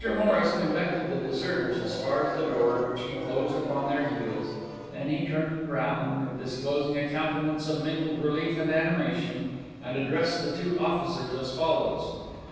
Morris conducted the deserters as far as the door, which he closed upon their heels; then he turned round, disclosing a countenance of mingled relief and animation, and addressed the two officers as follows.